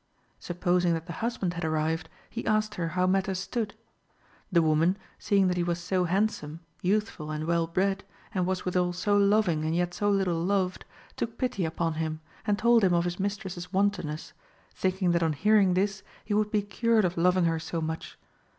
Supposing that the husband had arrived, he asked her how matters stood. The woman, seeing that he was so handsome, youthful, and well bred, and was withal so loving and yet so little loved, took pity upon him and told him of his mistress's wantonness, thinking that on hearing this he would be cured of loving her so much.